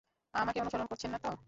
আমাকে অনুসরণ করছেন না তো?